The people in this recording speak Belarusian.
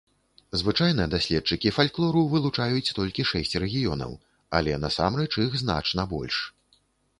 Звычайна, даследчыкі фальклору вылучаюць толькі шэсць рэгіёнаў, але насамрэч іх значна больш.